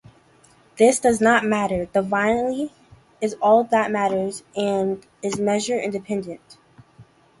This does not matter - the volatility is all that matters and is measure-independent.